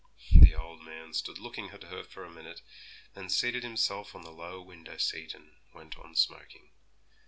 The old man stood looking at her for a minute; then seated himself on the low window seat, and went on smoking.